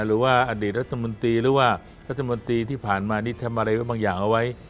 หรือว่าอดีตรัฐมนตรีหรือว่ารัฐมนตรีที่ผ่านมานี่ทำอะไรบางอย่างเอาไว้